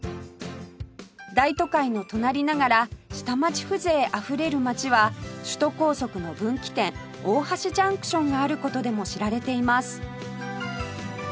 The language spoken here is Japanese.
大都会の隣ながら下町風情あふれる街は首都高速の分岐点大橋ジャンクションがある事でも知られています